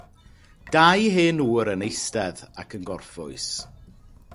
Dau hen ŵr yn eistedd ac yn gorffwys.